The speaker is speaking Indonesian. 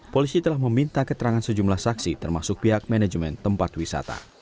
polisi telah meminta keterangan sejumlah saksi termasuk pihak manajemen tempat wisata